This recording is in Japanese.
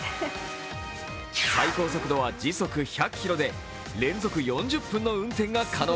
最高速度は時速１００キロで連続４０分の運転が可能。